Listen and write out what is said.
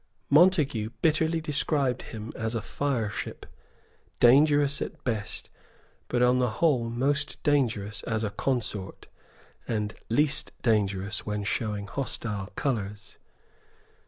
Montague bitterly described him as a fireship, dangerous at best, but on the whole most dangerous as a consort, and least dangerous when showing hostile colours.